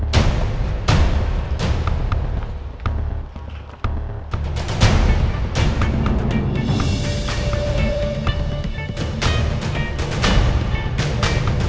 boleh kita pergi ke rumah